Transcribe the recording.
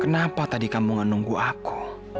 kenapa tadi kamu menunggu aku